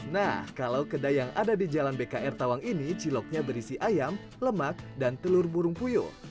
nah kalau kedai yang ada di jalan bkr tawang ini ciloknya berisi ayam lemak dan telur burung puyo